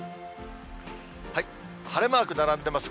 晴れマーク並んでます。